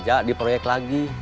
nggak di proyek lagi